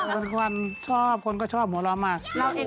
ทุกวันชอบคนก็ชอบหัวเราะมาก